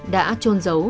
đã trôn dấu